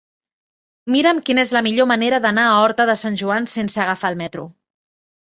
Mira'm quina és la millor manera d'anar a Horta de Sant Joan sense agafar el metro.